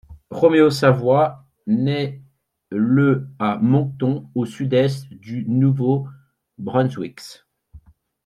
Roméo Savoie naît le à Moncton, au Sud-Est du Nouveau-Brunswick.